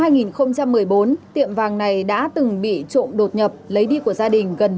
năm hai nghìn một mươi bốn tiệm vàng này đã từng bị trộm đột nhập lấy đi của gia đình gần